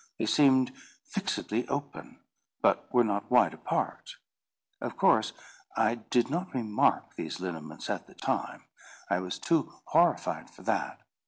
They seemed fixedly open, but were not wide apart. Of course I did not remark these lineaments at the time: I was too horrified for that.